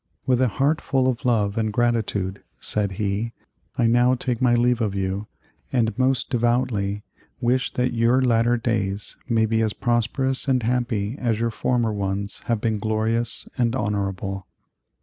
] "With a heart full of love and gratitude," said he, "I now take my leave of you, and most devoutly wish that your latter days may be as prosperous and happy as your former ones have been glorious and honorable."